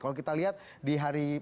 kalau kita lihat di hari